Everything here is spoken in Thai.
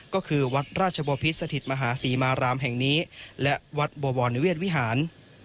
ก็คือวัดราชบพิษสถิตมหาศรีมารามแห่งนี้และวัดบวรนิเวศวิหาร